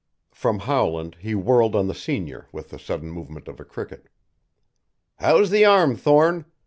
From Howland he whirled on the senior with the sudden movement of a cricket. "How's the arm, Thorne?